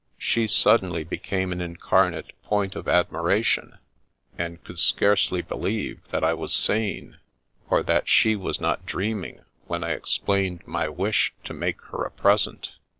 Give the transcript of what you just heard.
She sud denly became an incarnate point of admiration, and could scarcely believe that I was sane, or that she was not dreaming when I explained my wish to make her a present.